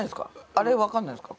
アレわかんないですか？